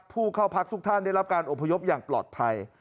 ผู้เข้าพักทุกท่านได้รับการอพยพอย่างปลอดภัย